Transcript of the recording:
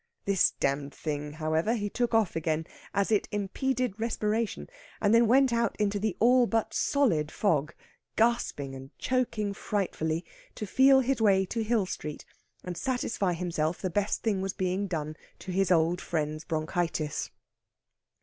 This damned thing, however, he took off again, as it impeded respiration, and then went out into the all but solid fog, gasping and choking frightfully, to feel his way to Hill Street and satisfy himself the best thing was being done to his old friend's bronchitis.